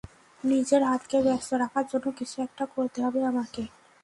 নিজের হাতকে ব্যস্ত রাখার জন্য কিছু একটা করতে হবে আমাকে।